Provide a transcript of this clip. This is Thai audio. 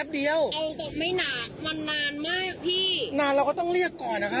ก็เอาอันเห้อให้เรียก